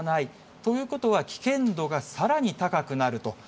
ということは、危険度がさらに高くなると。